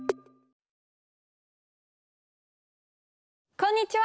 こんにちは。